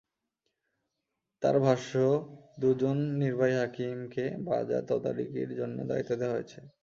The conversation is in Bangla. তাঁর ভাষ্য, দুজন নির্বাহী হাকিমকে বাজার তদারকির জন্য দায়িত্ব দেওয়া হয়েছে।